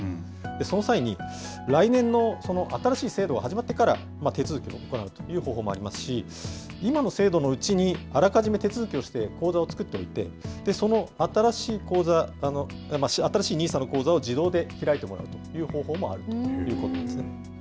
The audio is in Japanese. その際に、来年の新しい制度が始まってから手続きを行うという方法もありますし、今の制度のうちにあらかじめ手続きをして口座を作っておいて、その新しいＮＩＳＡの口座を自動で開いてもらうという方法もあるということですね。